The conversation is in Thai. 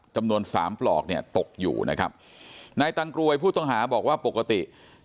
จำนวนสามปลอกเนี่ยตกอยู่นะครับนายตังกรวยผู้ต้องหาบอกว่าปกติ